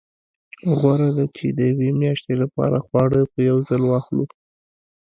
غوره ده چې د یوې میاشتې لپاره خواړه په یو ځل واخلو.